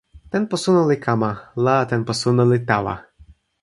tenpo suno li kama, la tenpo suno li tawa.